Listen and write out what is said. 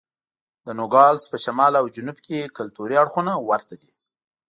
د نوګالس په شمال او جنوب کې کلتوري اړخونه ورته دي.